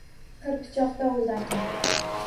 — Qirpichokda o’ldi akam